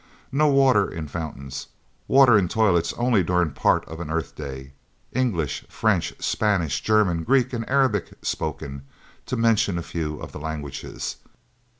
No water in fountains, water in toilets only during part of an Earth day. English, French, Spanish, German, Greek and Arabic spoken, to mention a few of the languages.